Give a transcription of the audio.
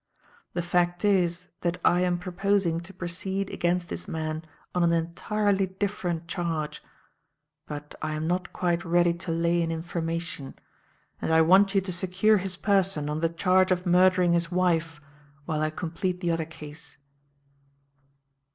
The fact is that I am proposing to proceed against this man on an entirely different charge. But I am not quite ready to lay an information; and I want you to secure his person on the charge of murdering his wife while I complete the other case."